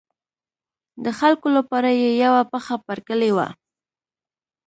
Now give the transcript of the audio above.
د خلکو لپاره یې یوه پښه پر کلي وه.